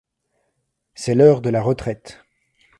C’est l’heure de la retraite.